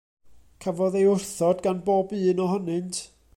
Cafodd ei wrthod gan bob un ohonynt.